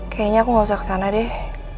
kayaknya aku gausah kesana deh